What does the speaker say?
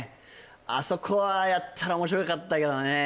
あそこはやったら面白かったけどね